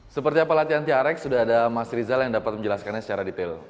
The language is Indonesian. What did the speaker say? seperti apa latihan trx sudah ada mas rizal yang dapat menjelaskannya secara detail